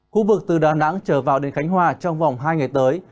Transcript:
khu vực từ đà nẵng trở vào đến khánh hòa trong vòng hai ngày tới